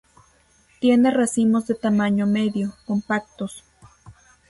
Tiene racimos de tamaño medio, compactos.